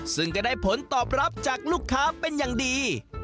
ซึ่งก็ได้ผลตอบรับจากลูกค้าเป็นอย่างดี